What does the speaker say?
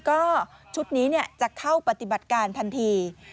ก็ชุดนี้จะเข้าปฏิบัติการทันที